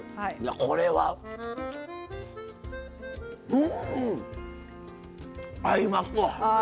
これはうん！合いますわ！